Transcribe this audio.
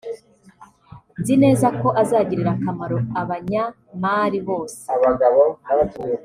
nzi neza ko azagirira akamaro abanya-Mali bose